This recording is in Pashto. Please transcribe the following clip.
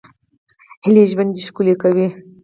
هیلې ژوند ښکلی کوي